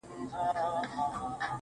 ستا د زلفو په خنجر کي را ايسار دی